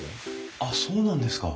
あっそうなんですか。